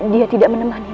dia tidak menemani ibu